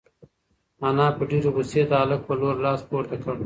انا په ډېرې غوسې د هلک په لور لاس پورته کړ.